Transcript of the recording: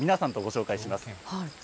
その条件、皆さんとご紹介します。